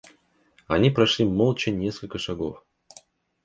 Они прошли молча несколько шагов.